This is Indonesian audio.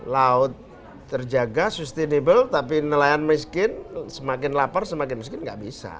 laut terjaga sustainable tapi nelayan miskin semakin lapar semakin miskin nggak bisa